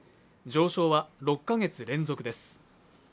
上昇は６カ月連続です。